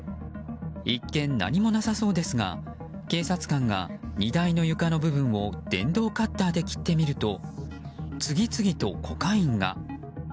一見、何もなさそうですが警察官が荷台の床の部分を電動カッターで切ってみると次々とコカインが。